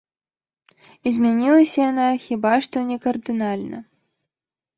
І змянілася яна хіба што не кардынальна.